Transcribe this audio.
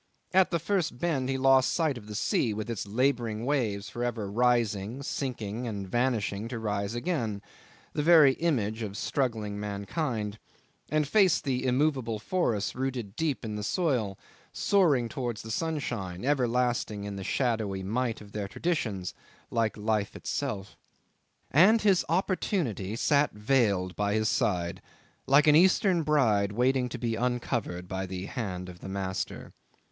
At the first bend he lost sight of the sea with its labouring waves for ever rising, sinking, and vanishing to rise again the very image of struggling mankind and faced the immovable forests rooted deep in the soil, soaring towards the sunshine, everlasting in the shadowy might of their tradition, like life itself. And his opportunity sat veiled by his side like an Eastern bride waiting to be uncovered by the hand of the master.